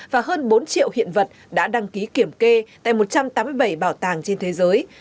và hơn bốn triệu hiện vật đã đăng ký kiểm kê tại một trăm tám mươi bảy bảo tàng trên thế giới